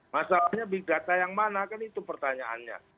masalahnya big data yang mana kan itu pertanyaannya